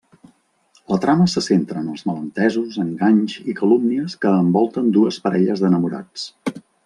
La trama se centra en els malentesos, enganys i calúmnies que envolten dues parelles d'enamorats.